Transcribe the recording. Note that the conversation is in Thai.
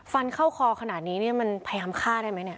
ฟันเข้าคอขนาดนี้เนี่ยมันพยายามฆ่าได้ไหมเนี่ย